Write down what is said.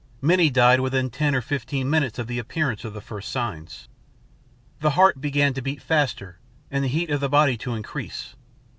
Many died within ten or fifteen minutes of the appearance of the first signs. "The heart began to beat faster and the heat of the body to increase.